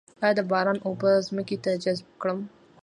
آیا د باران اوبه ځمکې ته جذب کړم؟